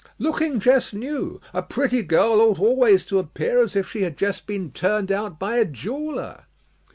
"Looking just new. A pretty girl ought always to appear as if she had just been turned out by a jeweller."